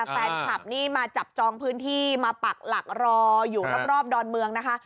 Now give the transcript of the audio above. แฟนคลับนี่มาจับจองพื้นที่มาปักหลักรออยู่รอบดอนเมืองนะคะ